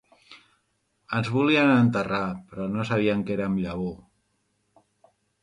Ens volien enterrar, però no sabien que érem llavor